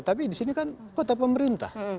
tapi di sini kan kota pemerintah